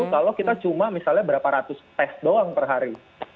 kalau kita cuma misalnya berapa ratus tes doang per hari